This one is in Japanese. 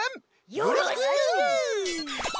よろしく！